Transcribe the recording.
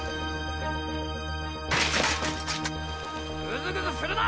グズグズするな！！